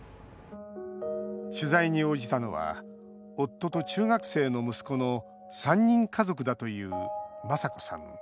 取材に応じたのは夫と中学生の息子の３人家族だというマサコさん